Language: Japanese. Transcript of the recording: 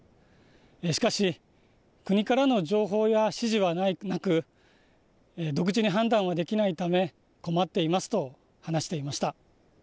しかし、国からの情報や指示はなく、独自に判断はできないため、困っていますと話していました。